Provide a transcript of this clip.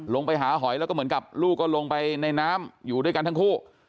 ลงไปหาหอยแล้วก็เหมือนกับลูกก็ลงไปในน้ำอยู่ด้วยกันทั้งคู่